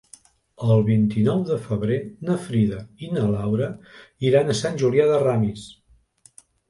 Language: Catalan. El vint-i-nou de febrer na Frida i na Laura iran a Sant Julià de Ramis.